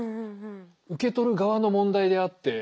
受け取る側の問題であって。